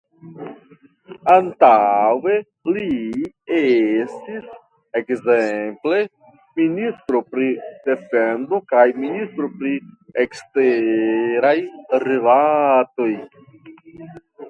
Antaŭe li estis ekzemple ministro pri defendo kaj ministro pri eksteraj rilatoj.